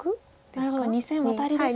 なるほど２線ワタリですね。